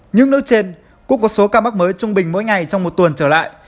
những nước trên cũng có số ca mắc mới trung bình mỗi ngày trong một tuần trở lại